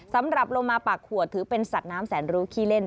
สำหรับโลมาปากขวดถือเป็นสัตว์น้ำแสนรู้ขี้เล่น